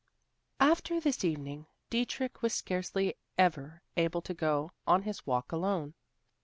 After this evening, Dietrich was scarcely ever able to go on his walk alone.